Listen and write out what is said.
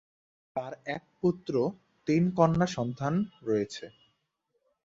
তার এক পুত্র, তিন কন্যা সন্তান রয়েছে।